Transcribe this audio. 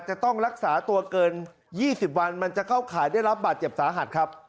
จะต้องรักษาตัวเกิน๒๐วันมันจะเข้าข่ายได้รับบาดเจ็บสาหัสครับ